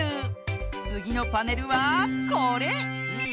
つぎのパネルはこれ！